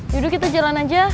yaudah kita jalan aja